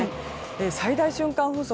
最大瞬間風速